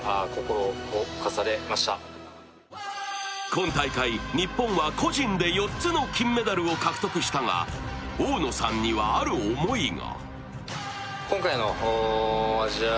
今大会、日本は個人で４つの金メダルを獲得したが大野さんには、ある思いが。